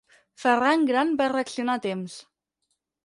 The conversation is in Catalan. Ferran gran va reaccionar a temps.